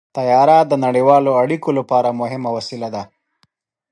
طیاره د نړیوالو اړیکو لپاره مهمه وسیله ده.